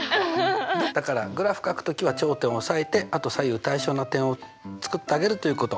だからグラフかく時は頂点を押さえてあと左右対称な点を作ってあげるということねっ。